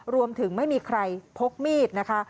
รวมถึงไม่มีใครพกมีดนะคะ